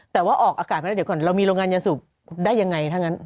แต่ว่าออกอากาศไปแล้วเดี๋ยวก่อนเรามีโรงงานยาสูบได้ยังไงถ้างั้น